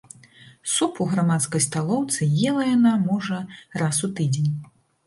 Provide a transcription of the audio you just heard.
Суп у грамадскай сталоўцы ела яна, можа, раз у тыдзень.